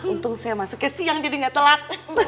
untung saya masuknya siang jadi gak telat